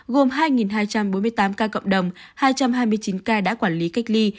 gồm hai hai trăm bốn mươi tám ca cộng đồng hai trăm hai mươi chín ca đã quản lý cách ly